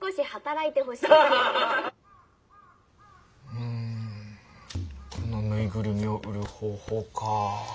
うんこのぬいぐるみを売る方法かあ。